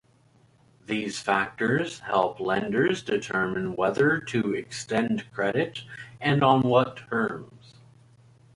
These factors help lenders determine whether to extend credit, and on what terms.